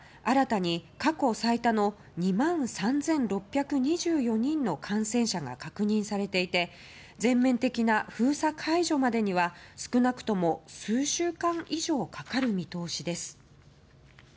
新たに過去最多の２万３６２４人の感染者が確認されていて全面的な封鎖解除までには少なくとも数週間以上かかる見通しです。